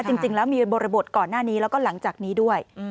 จริงแล้วมีบริบทก่อนหน้านี้แล้วก็หลังจากนี้ด้วย